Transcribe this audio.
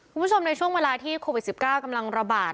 คุณผู้ชมในช่วงเวลาที่โควิด๑๙กำลังระบาด